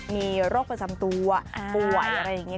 มีโรคประจำตัวป่วยอะไรอย่างนี้